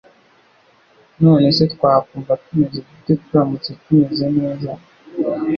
None se twakumva tumeze dute turamutse tumeze neza